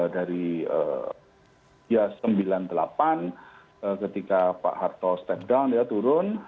dari ya sembilan puluh delapan ketika pak harto step down ya turun